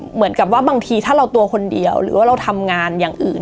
เหมือนกับว่าบางทีถ้าเราตัวคนเดียวหรือว่าเราทำงานอย่างอื่น